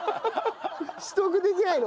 取得できないの？